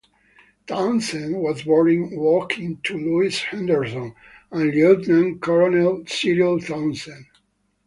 Townsend was born in Woking to Lois Henderson and Lieutenant Colonel Cyril Townsend.